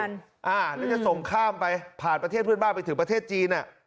แล้วจะส่งข้ามไปผ่านประเทศเพื่อนบ้านไปถึงประเทศจีน